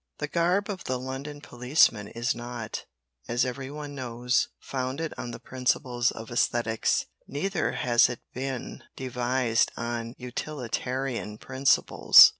The garb of the London policeman is not, as every one knows, founded on the principles of aesthetics. Neither has it been devised on utilitarian principles.